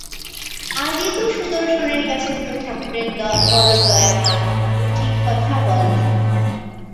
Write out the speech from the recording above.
আজই তো সুদর্শনের কাছে সে-ঠাকুরের বড় দয়া-মা তো ঠিক কথা বলে!